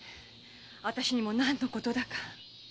あたしにも何のことだか。